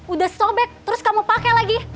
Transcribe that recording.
udah sobek terus kamu pakai lagi